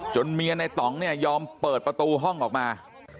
เมียในต่องเนี่ยยอมเปิดประตูห้องออกมา